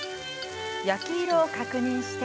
焼き色を確認して。